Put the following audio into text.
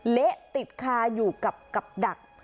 เละติดคาอยู่กับดัก